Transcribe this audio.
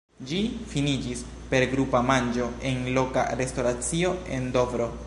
Ĝi finiĝis per grupa manĝo en loka restoracio en Dovro.